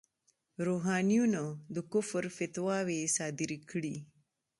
روحانیونو د کفر فتواوې صادرې کړې.